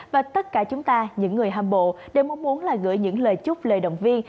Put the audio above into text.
và tất cả chúng ta những người hâm mộ đều mong muốn là gửi những lời chúc lời động viên